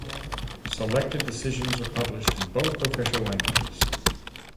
Selected decisions are published in both official languages.